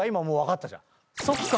そっか！